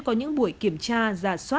của chúng mình đ knowledge selu